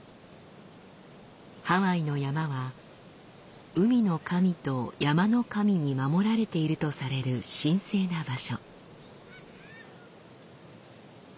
ハワイの山は海の神と山の神に守られているとされる神聖な場所。